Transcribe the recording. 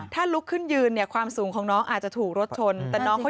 ถ้าลุกขึ้นยืนเนี่ยความสูงของน้องอาจจะถูกรถชนแต่น้องเขา